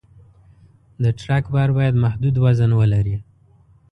د ټرک بار باید محدود وزن ولري.